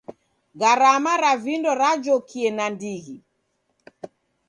Gharama ra vindo rajokie nandighi.